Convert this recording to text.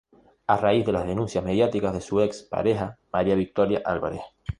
A raíz de las denuncias mediáticas de su ex pareja, María Victoria Álvarez.